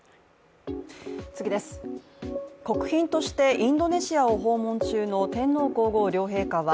国賓としてインドネシアを訪問中の天皇皇后両陛下は